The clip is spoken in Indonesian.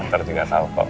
nanti juga nggak salah pak